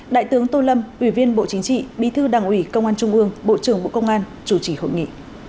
đại tướng tô lâm ủy viên bộ chính trị bí thư đảng ủy công an trung ương bộ trưởng bộ công an chủ trì hội nghị